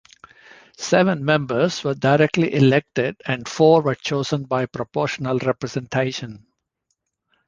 Seven members were directly elected and four were chosen by proportional representation.